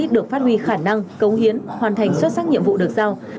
được phát huy khả năng công hiến hoàn thành xuất sắc nhiệm vụ được giao